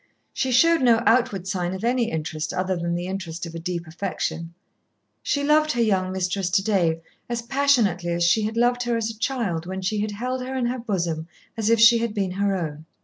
She showed no outward sign of any interest other than the interest of a deep affection. She loved her young mistress to day as passionately as she had loved her as a child when she had held her in her bosom as if she had been her own.